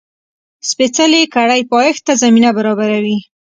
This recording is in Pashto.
سپېڅلې کړۍ پایښت ته زمینه برابروي.